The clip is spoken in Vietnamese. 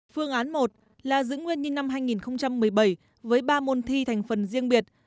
phương án một là giữ nguyên như năm hai nghìn một mươi bảy với ba môn thi thành phần riêng biệt